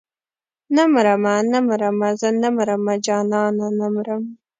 نه مرمه نه مرمه زه نه مرمه جانانه نه مرم.